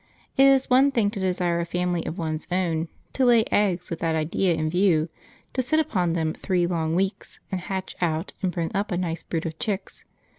It is one thing to desire a family of one's own, to lay eggs with that idea in view, to sit upon them three long weeks and hatch out and bring up a nice brood of chicks.